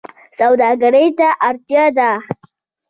سوداګرۍ ته اړتیا ده